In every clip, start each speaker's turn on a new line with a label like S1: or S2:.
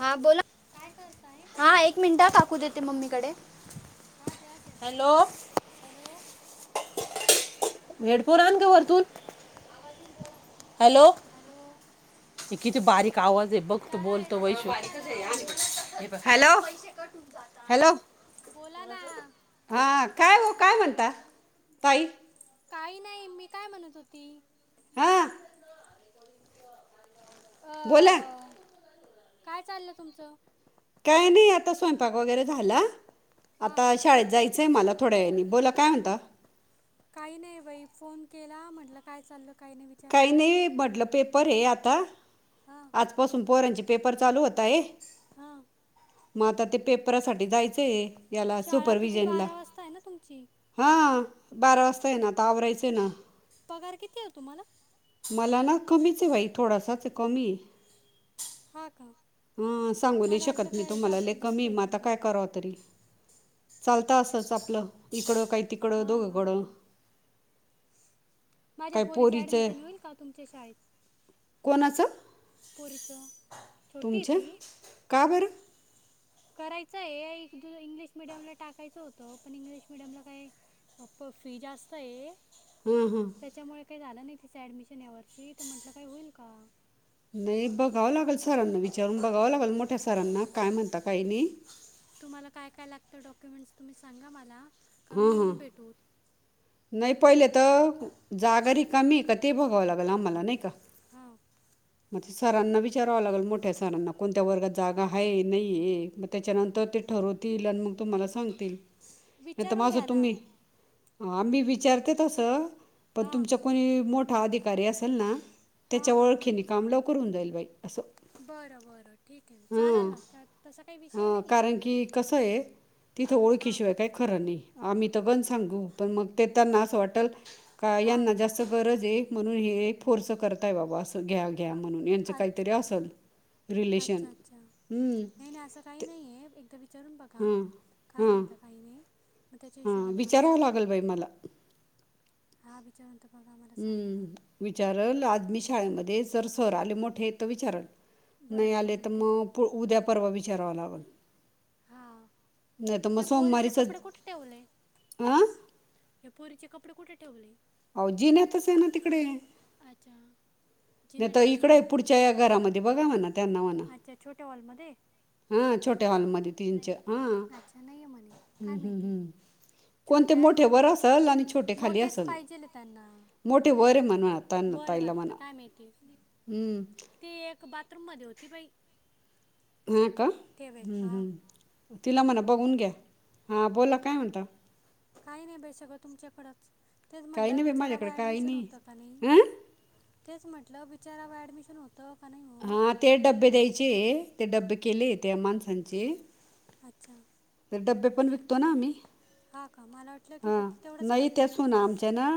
S1: हा बोला
S2: काय करताय
S1: हा एक मिनिटा टाकू देते मम्मीकडे
S2: हां द्या द्या हॅलो
S1: वेडपोर आण ग वरतूून
S2: हॅलो
S1: ते किती बारीक आवाज आहे बघत
S2: त्याला
S1: बोलतो
S2: हेडफोन
S1: वैशू
S2: नाही चालत
S1: हॅलो
S2: हॅलो बोला ना
S1: हा काय हो काय म्हणता ताई
S2: काही नाही मी काय म्हणत होती.
S1: हां.
S2: अ
S1: बोला
S2: काय चाललंय तुमचं?
S1: काय नाही आता स्वयंपाक वगैरे झाला
S2: हां
S1: आता शाळेत जाय च आहे मला थोड्या वेळाने बोला काय म्हणता.
S2: काही नाही बाई फोन केला म्हटलं काय चाललं काही नाही
S1: काही
S2: विचारावं
S1: नाही म्हटलं पेपर आहे आता
S2: हा.
S1: आजपासून पोर्यांचे पेपर चालू होत आहे.
S2: हां.
S1: मग आता ते पेपरासाठी जायचंय आहे. याला
S2: शाळा किती
S1: सुपरविजनला
S2: बारा वाजता आहे ना तुमची
S1: हा बारा वाजता आहे ना आता आवरायचं आहे ना
S2: पगार किती आहे हो तुम्हाला?
S1: मला ना कमीच आहे बाई थोडासाच कमी हे
S2: हा का
S1: हा सांगू नाही
S2: मला वाटलं
S1: शकत मी
S2: काय
S1: तुम्हाला लइ
S2: जास्त बिस्त
S1: कमी आहे. म
S2: का
S1: आता काय करावं तरी चालत असच आपलं इकडं काही तिकडं
S2: हां हां
S1: दोघंकडं
S2: हां माझ्या पोरीचं ऍडमिशन होईल का तुमच्या शाळेत
S1: कोणाचं
S2: पोरीच
S1: तुमच्या का बरं?
S2: करायचं आहे एक इंग्लिश मिडियमला टाकायचं होतं. पण इंग्लिश मिडियमला काय अप फ्री जास्त आहे.
S1: हम्म हम्म
S2: त्याच्यामुळे काही झालं नाही तिचं ॲडमिशन यावर्षी तर म्हटलं काय होईल का?
S1: नाही बघावं लागेल सरांना विचारून बघावं लागेल मोठ्या सरांना काय म्हणता काही नाही.
S2: तुम्हाला काय काय लागतं डॉक्युमेंट्स तुम्ही सांगा मला का मी
S1: हम्म ह
S2: येऊन भेटू
S1: नाही पहिले तर जागा रिकामी आहे का ते बघावं लागल आम्हाला नाही का
S2: हां
S1: म सरांना विचारावं लागेल मोठ्या सरांना कोणत्या वर्गात जागा आहे नाही त्याच्यानंतर ते ठरवतील आणि मग तुम्हाला सांगतील नाही तर
S2: विचारून
S1: माझं
S2: घ्या ना
S1: तुम्ही आ मी विचारते तसं पण
S2: हां
S1: तुमचा कोणी मोठा अधिकारी असेल ना
S2: हां हां
S1: त्याच्या
S2: हां
S1: ओळखी निघ काम लवकर होऊ जाईल बाई असं
S2: बरं बरं ठीक आहे
S1: हां
S2: चालेल ना का तसा काही विषय
S1: हां
S2: नाही आहे
S1: कारण की कसं आहे तिथं
S2: हां
S1: ओळखीशिवाय काय खरं नाही आम्ही त पण सांगू पण मग ते त्यांना असं वाटेल का
S2: हां
S1: यांना जास्त गरज आहे म्हणून हे फोर्स करताय बाबा अस घ्या घ्या म्हणून यांचं
S2: अच्छ
S1: काहीतरी असल रिलेशन
S2: अच्छा अच्छा नाही नाही असं काही
S1: ते
S2: नाही आहे एकदा विचारून बघा
S1: हां
S2: काय
S1: हां
S2: म्हणता काही नाही मग त्याच्या हिशोबाने मला सांगा.
S1: काय मला
S2: हा विचारून तर बघा आम्हाला सांगा
S1: हं
S2: ना
S1: विचारल आज मी शाळेमध्ये जर सर आले मोठे तर विचारल. नाही
S2: बरं
S1: आले तर
S2: बरं ठीक
S1: मग उद्या, परवा विचारावा लागल.
S2: हा
S1: मग
S2: या पोरीचे
S1: सोमवारीच
S2: कपडे कुठे ठेवले?
S1: हां
S2: या पोरीचे कपडे कुठे ठेवले?
S1: अव जीनतस आहे ना तिकडे.
S2: अच्छा. जिन्यात
S1: ता
S2: ठेवले
S1: इकड
S2: होय
S1: पुढच्या या घरामध्ये बघा म्हणा.
S2: अच्छा छोट्या हॉलमध्ये.
S1: हा छोट्या हॉलमध्ये तीनच
S2: नाही
S1: हा हम्म
S2: अच्छा नाही आहे म्हणे काय
S1: हम्म
S2: माहिती
S1: हम्म. कोणते
S2: छोटे आहे मोठे
S1: मोठेवरर
S2: नाही
S1: असल आणि छोटे खाली
S2: मोठेच
S1: असल.
S2: पाहिजेले त्यांना
S1: मोठे वरे म्हण त
S2: वर आहे
S1: ताईला
S2: वाटतं
S1: म्हणा.
S2: काय माहिती.
S1: हम्म.
S2: ती एक बाथरूम मध्ये होती बाई.
S1: हां का
S2: ठेवेल हां
S1: तिला म्हणा बघून घ्या हां बोला काय म्हणता.
S2: काय नाही बेसगं तुमच्याकडेंच. तेच
S1: काही
S2: म्हटलं
S1: नाही बाई माझ्याकडे
S2: विचारावा
S1: काही
S2: ॲडमिशन
S1: नाही
S2: होतं का नाही.
S1: हां
S2: तेच म्हटलं विचारा व ॲडमिशन होतं का नाही होत.
S1: हां ते डबे द्यायचे ते डबे केले ते माणसांचे.
S2: अच्छा.
S1: तर डबे पण विकतो ना आम्ही.
S2: हां का मला वाट
S1: हां नाही तेसून आमच्या ना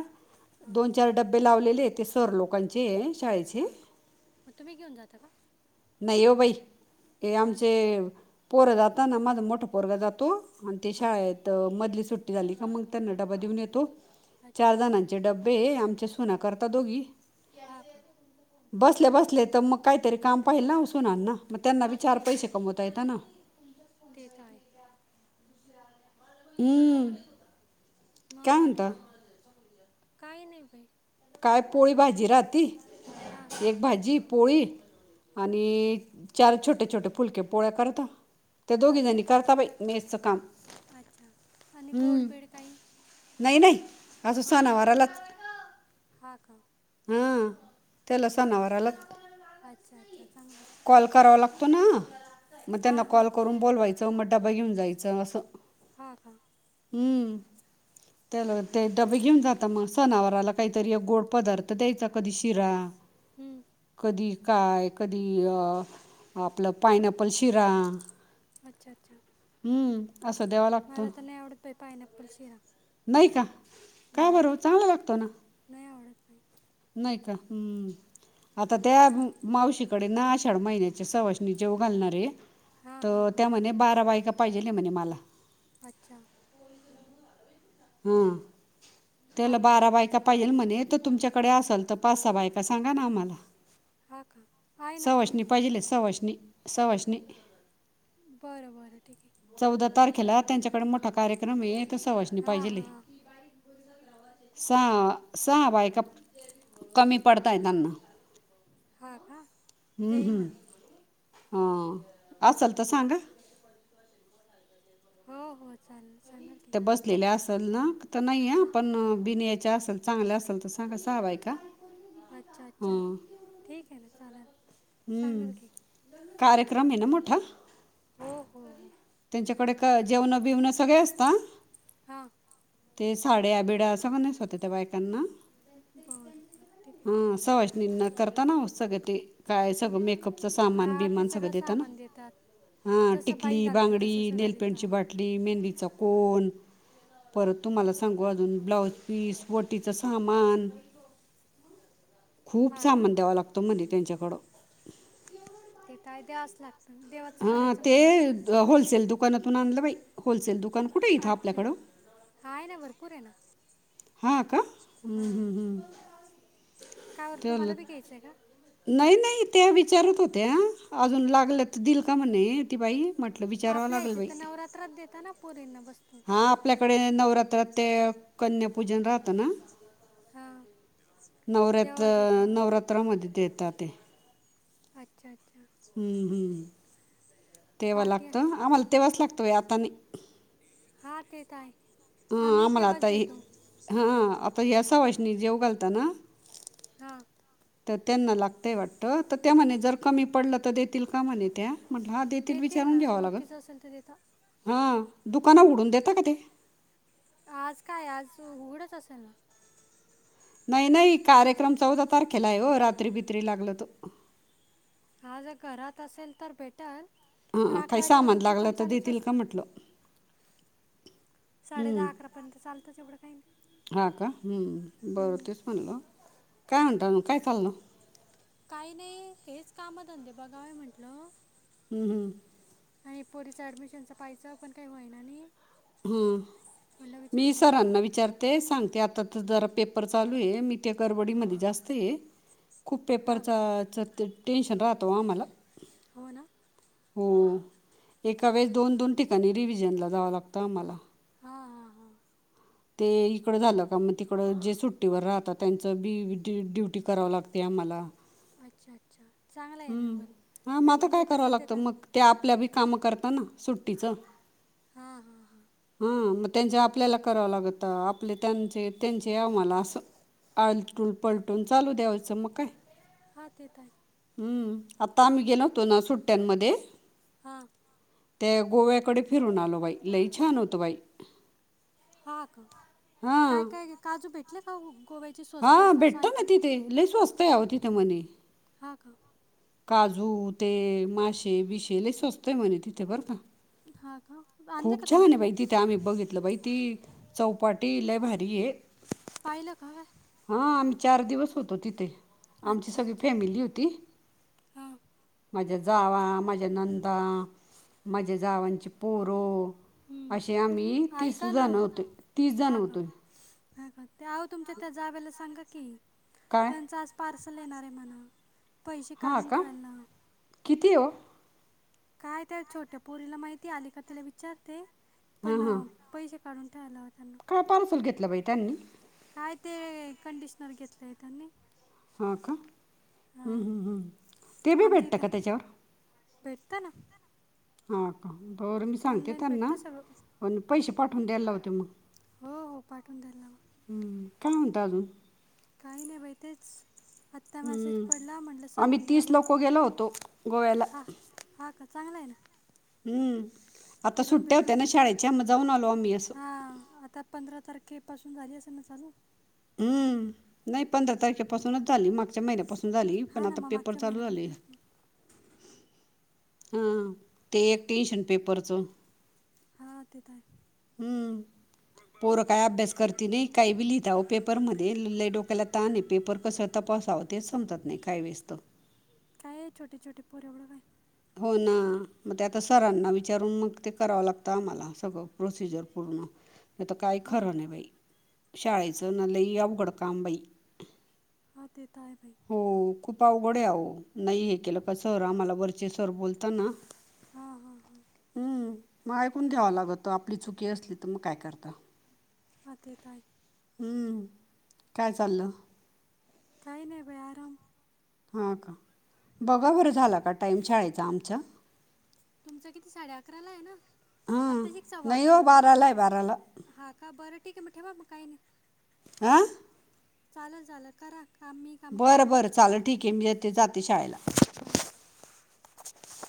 S2: हां
S1: दोनश. चार डबे लावलेले ते सर लोकांचे शाळेचे.
S2: मगुम् घऊन जाता का.
S1: नाही येव बाई हे
S2: हां
S1: आमचे पोरं जाता ना माझं मोठ पोरं जातो. आणि ते
S2: हां
S1: शाळेत मधली सुट्टी झाली का मग त्यांना डबा देऊन येतो.
S2: अच्छा
S1: चार
S2: अच्छा
S1: जणांचे डब्बे आमच्या सुना करता दोघी.
S2: हा का.
S1: बसले बसले तर मग काहीतरी काम पाहिल ना सुना ना मग त्यांना बी
S2: हा
S1: चार पैसे कमवता येत ना.
S2: तेे तर आहे.
S1: हमं.
S2: मग बाकी काय? काही नाही बाई.
S1: काय पोळी भाजी राहती
S2: हां
S1: एक भाजी. पोळी आणि चार छोटे छोटे फुलके पोळ्या करत. त्या दोघी
S2: भाजी
S1: जणी
S2: पण
S1: करता बाई मेसच काम
S2: अच्छा आणि गोड
S1: हम्.
S2: बीड काही
S1: नाही नाही असज स नावाराला.
S2: हा का.
S1: हा त्याला
S2: बाकी
S1: सनावारला.
S2: अच्छा अच्छा चांगलं आहे.
S1: कॉल करावा लागतो ना मग
S2: हां
S1: त्यांना
S2: हां
S1: कॉल करून बोलवायचं मग डबा घेऊन जायचं असं.
S2: हा का.
S1: हम्म. त्याला ते डबे घेऊन जात मग सनावराला काहीतरी एक गोड पदार्थ द्यायचा कधी शिरा.
S2: हम्म.
S1: कधी काय कधी आपलं पायनॅपल शिरा.
S2: अच्छा अच्छा.
S1: हम्म. असं देवाला.
S2: मला तर नाही आवडत प पायनॅप्पल शिरा.
S1: नाही का काय बरं चांगलं लागतं.
S2: नया ऑर्डरप.
S1: नाही का हम्म आता त्या मावशी कडे ना आषाढ महिन्याच्या सवासणी जेवु घालणारेत.
S2: हां हां
S1: तर
S2: हां
S1: त्या म्हणे बारा बायका पाहिजेल आहे म्हणे मला.
S2: अच्छा!
S1: हां.
S2: हा
S1: त्याला
S2: का
S1: बारा बायका पाहिजेल म्हणे तर तुमच्याकडे असाल तर पाच, सहा बायका सांगा ना आम्हांला. [inaudible]
S2: हां का आहे ना
S1: पहिले सव्हाषणी-सव्हाषणी
S2: बरं बरं ठीक आहे.
S1: चौदा तारखेला त्यांच्याकडे मोठा कार्यक्रम आहे तर सवासणी
S2: हां
S1: पाहिजेल आहे.
S2: हां
S1: सहा-सहा बायका कमी पडताय त्यांना.
S2: हां का देई ना.
S1: हां असल तर सांगा.
S2: हो हो चालेल सांगते.
S1: त्या बसलेल्या असेल ना तर नाही ह पण बिनि याच्या असेल चांगल्या हवेच्या असल तर सांगा सहा बायका.
S2: अच्छा! अच्छा!
S1: हां
S2: ठीक आहे ना चालेल.
S1: हम्म
S2: सांगाल की
S1: कार्यक्रम आहे ना मोठा.
S2: हो हो.
S1: त्यांच्याकडे क जेवण बिवणं सगळे असतात.
S2: हां
S1: ते साड्या बिड्या संगळ नेसवत्यात त्या बायकांना.
S2: बरं बरं ठीक
S1: हां सव्हाषणी ना करतात ना सगळं ते काय सगळं मेकअप
S2: आहे
S1: सामान
S2: हां ते
S1: बिमान सगळं देेता ना
S2: सामान देतात
S1: हा
S2: जसं बाई
S1: टिकली,
S2: घालते
S1: बांगडी,
S2: तसं सगळं देतं
S1: नेलपेंडची,
S2: हां
S1: बाट पाटली, मेहंदीचं कोण परत तुम्हाला सांगू अजून ब्लाऊज पीस, ओटीचं सामान खूप
S2: हा का
S1: सामान द्यावा लागतो म्हणे त्यांच्याकडं.
S2: ते कायते आस
S1: हा ते होलसेल दुकानातून आणलं बाई, होलसेल दुकान कुठे आहे इथं
S2: अच्छा
S1: आपल्याकडं.
S2: आहे ना भरपूर आहे ना.
S1: हां का.
S2: कायवर
S1: त्याला
S2: तुम्हाला बी घ्यायचंय.
S1: नाही नाही त्या विचारत होत्या अजून लागल्या तर दिल का म्हणे ती बाई. म्हटलं विचारावं
S2: आपल्या
S1: लागेल
S2: याचे
S1: बाई
S2: तर नवरात्रात देता ना पोरींना.
S1: हां आपल्याकडे नवरात्रात ते कन्यापूजन राहतं ना.
S2: हां
S1: नवरात्र
S2: तेव्हा देता हां
S1: नवरात्रामध्ये देतात ते.
S2: अच्छा! अच्छा!
S1: हम्म हम्म तेव्हा
S2: बाकी
S1: लागतं आम्हाला तेव्हाच लागत बाई आता नाही.
S2: हां तेेतर आहे
S1: हां
S2: आम्ही इथे
S1: आम्हाला
S2: वस
S1: आता हे
S2: देतो.
S1: हां आता या सावाषणी जेवु घालता ना.
S2: हां.
S1: तर त्यांना लागतंय वाटतं तर त्या म्हणे जर कमी पडलं तर देतील का म्हणे त्या. म्हंटलं हा देतील विचारून
S2: ना
S1: घ्यावा लागल.
S2: ओळखीचं असेल तर देता
S1: हां दुकान उघडून देता का ते
S2: आज काय आज उघडंच असेल ना.
S1: नाही नाही कार्यक्रम चौदा तारखेला आहे हो रात्री बित्री लागल तर.
S2: हां जर घरात असेल तर भेटल. पण
S1: हा काही
S2: अकरा
S1: सामान
S2: वाजेपर्यंत
S1: लागलं
S2: दुकान
S1: तर
S2: चालूच
S1: देतील का
S2: असतं
S1: म्हटलं
S2: साडे दहा, अकरापर्यंत चालुच एवढं काय
S1: हां का हम्म बरं तेच म्हणलं काय म्हणता म काय चालु
S2: काही नाही तेच काम धंदेबागा आहे म्हटलं
S1: हम् हम्
S2: आणि पोरीचं ॲडमिशनचं पाहिजं पण काही हो्हायना नाही
S1: ह
S2: म्हणलं
S1: मी
S2: विचारून बघा
S1: सरांना विचारत ते सांगते आता जरा पेपर चालू आहे मी त्या करबडीमध्ये जास्त आहे खूप
S2: हां
S1: पेपरचाच ते टेन्शन राहतं आम्हाला
S2: हो ना
S1: हो एका वेळेस दोन दोन ठिकाणी रिव्हजनला जाव लागतं आम्हाला
S2: हा हा हा
S1: ते इकडं झालं का मग तिकडं जे सुट्टीवर राहतात त्यांचं बी ड ड्युटी करावं लागते आम्हाला
S2: अच्छा अच्छा चांगला आहे ना
S1: हं.
S2: पण
S1: हां मग आता
S2: पेमेंट
S1: काय
S2: आहे
S1: करावं
S2: तसंच
S1: लागतं
S2: देताना
S1: मग ते आपल्या बी कामं करतात ना सुट्टीचं
S2: हा हा हा
S1: हा मग त्यांचे आपल्याला करावं लागत आपले त्यांचे त्यांचे याव मला असं आलटून पलटून चालू द्यायचं मग काय
S2: हा तेेत आहे
S1: हम्म आता आम्ही गेलो होतो ना सुट्ट्यांमध्ये
S2: हां
S1: त्या गोव्याकडे फिरून आलो बाई लई छान होतं बाई
S2: हा का काय
S1: हां
S2: काय काजू भेटले का गोव्या
S1: हां भेटतं ना तिथे लय स्वस्त यावं तिथे मणे
S2: हा का
S1: काजू ते मासे बिशेल सवस्तोय म्हणे तिथे बरं का
S2: हा का आणले
S1: खूप
S2: का
S1: छान
S2: तुम्ही
S1: आहे
S2: काही
S1: बाई तिथे आम्ही बघितलं बाई ती चौपाटी लले भारी आहे
S2: पाहिला का व
S1: हा आम्ही चार दिवस होतो तिथे आमची
S2: अच्छा
S1: सगळी
S2: अच्छा
S1: फॅमिली होती
S2: हां
S1: माझ्या जाव माझ्या नंदा माझ्या जावांचे पोरव
S2: हम्म.
S1: असे आम्ही तीस जण होत तीस जण होतो
S2: ह का ते आह तुमच्या त्या जाव्याला सांगा की
S1: काय
S2: त्यांचा आज पार्सल येणार आहे म्हणा पैसे
S1: हां
S2: काढून
S1: का
S2: ठेवायला
S1: किती हो
S2: काय त्या छोट्या पोरीला माहिती आली का तिला विचारते
S1: हां
S2: पण
S1: हां
S2: पैसे काढून ठाेयलाताना
S1: पार्सल घेतलं पाहि त्यांनी
S2: काय ते कंडिशनर घेतलेय त्यांनी
S1: हो का
S2: हां
S1: ते बी भेटतं का त्याच्यावर
S2: भेटता ना
S1: हां का बरं मी सांगते
S2: ऑनलाईन
S1: त्यांना
S2: भेटतं सगळं
S1: प पैसे पाठवून द्यायला लावते मग
S2: हो हो पाठवून द्यारला मग
S1: कम दजून
S2: काही नाही बाहि तेच आत्ता मेसेज पडला म्हंटलं सांगून द्या ब
S1: तो गेला होतो गोव्याला
S2: हा का चांगला आहे ना
S1: हम्म आता
S2: फिरून
S1: सुट्ट्या होत्या ना शाळेच्या आम् जाऊन आलो आम्ही असं
S2: हा आता पंधरा तारखे पासून झाली असेल ना चालू
S1: हम् नाही पंधरा तारखेपासूनच झाली मागच्या महिन्यापासून झाली पण
S2: हा ना
S1: आता
S2: मग
S1: पेपर
S2: मागच्या
S1: चालू झाले
S2: महिन्यापासूनच मग
S1: हं... ते एक टेन्शन पेपरचं
S2: हा... तेे तर हाये
S1: हुं पोरं काय अभ्यास करते नई... काही बी लिहिता अवं पेपरमध्ये, लई डोक्याला ताण ए... पेपर कसं तपासावं? तेच समजत नाई, काही वेळेस तर
S2: काय... छोटे छोटे पोरं... एवढं काय?
S1: हो, ना.... मग ते आता सरांना विचारून, मग ते करावं लागतं आम्हाला... सगळं. प्रोसिजर पूर्ण... नाई तर काही
S2: हा
S1: खरं नाई बाई शाळेचं नं, लई अवघड काम बाई
S2: हा, तेे तर हाये बाई
S1: हो... खूप अवघड ए अहो, नई... हे केलं का, सर आम्हाला... वरचे सर बोलताना
S2: हा हा हा
S1: मग ऐकून घ्यावं लागतं, आपली चुकी असली तर, मग काय करता
S2: हा ते तर हाई
S1: हुं... काय चाललं?
S2: काई नाई बाई... आराम
S1: हां का... बघा बरं झालं का टाईम शाळेचा आमच्या?
S2: तुमचं किती साडे अकराला है ना,
S1: हां
S2: आत्ताशीक सव्वा
S1: नाही हो
S2: अकरा झाले
S1: बाराला आहे बाराला
S2: हां का, बरं मग ठेवा काई नाई
S1: आं?
S2: चालंल, चालंल करा काम मी कामं
S1: बरं
S2: करतो
S1: बरं चालेल, ठीक है... मी येते... जाते शाळेला
S2: हा